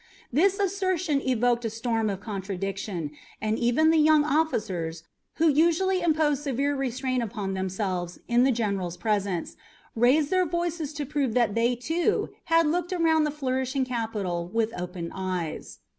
This assertion evoked a storm of contradiction, and even the younger officers, who usually imposed severe restraint upon themselves in the general's presence, raised their voices to prove that they, too, had looked around the flourishing capital with open eyes.